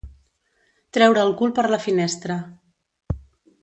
Treure el cul per la finestra.